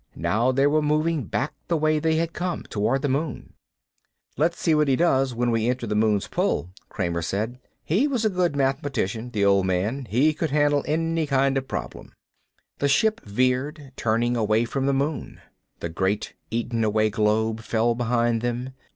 Now they were moving back the way they had come, toward the moon. "Let's see what he does when we enter the moon's pull," Kramer said. "He was a good mathematician, the old man. He could handle any kind of problem." The ship veered, turning away from the moon. The great eaten away globe fell behind them.